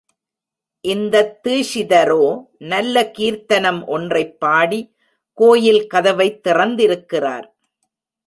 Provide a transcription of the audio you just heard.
இந்தத் தீக்ஷிதரோ நல்ல கீர்த்தனம் ஒன்றைப் பாடி கோயில் கதவைத் திறந்திருக்கிறார்.